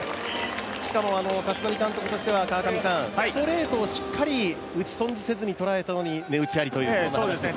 しかも立浪監督としては、ストレートをしっかり打ち損じせずに捉えたことに値打ちありという見方でしたね。